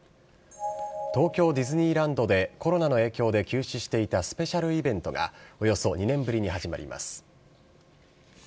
東京ディズニーランドで、コロナの影響で休止していたスペシャルイベントが、およそ２年ぶりに始まります。